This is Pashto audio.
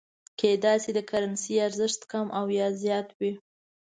کېدای شي د کرنسۍ ارزښت کم او یا زیات وي.